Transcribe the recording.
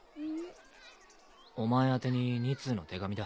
お前宛てに２通の手紙だ。